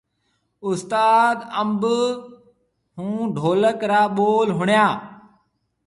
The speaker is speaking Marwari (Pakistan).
استاد انب ھونڍولڪ را ٻول ۿڻيا